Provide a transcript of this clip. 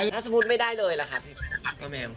ถ้าสมมุติไม่ได้เลยหรือคะป้าแมว